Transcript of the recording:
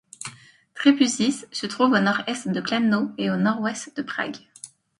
Třebusice se trouve à au nord-est de Kladno et à au nord-ouest de Prague.